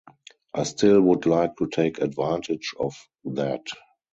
I still would like to take advantage of that.